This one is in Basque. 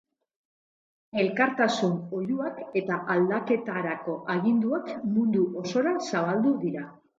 Elkartasun oihuak eta aldaketarako aginduak mundu osora zabaldu dira.